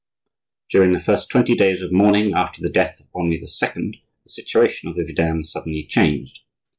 During the first twenty days of mourning after the death of Henri II. the situation of the vidame suddenly changed.